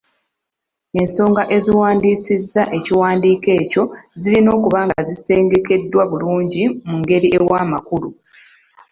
Ensonga eziwandiisizza ekiwandiiko ekyo zirina okuba nga zisengekeddwa bulungi mu ngeri ewa amakulu.